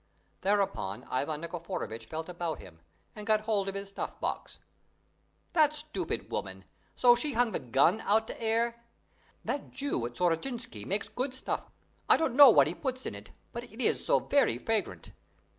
Thereupon Ivan Nikiforovitch felt about him, and got hold of his snuff box. "That stupid woman! So she hung the gun out to air. That Jew at Sorotchintzi makes good snuff. I don't know what he puts in it, but it is so very fragrant.